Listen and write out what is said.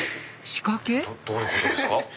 仕掛け？どういうことですか？